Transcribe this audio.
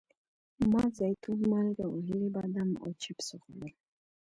ما زیتون، مالګه وهلي بادام او چپس وخوړل.